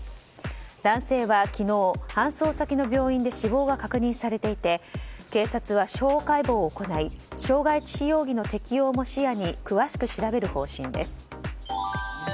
男性は昨日、搬送先の病院で死亡が確認されていて警察は司法解剖を行い傷害致死容疑の適用も視野に詳しく調べる方針です。